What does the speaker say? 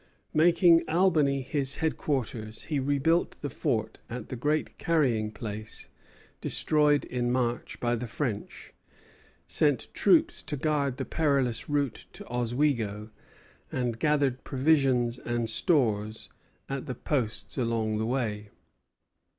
Making Albany his headquarters, he rebuilt the fort at the Great Carrying Place destroyed in March by the French, sent troops to guard the perilous route to Oswego, and gathered provisions and stores at the posts along the way.